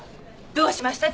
どうしました？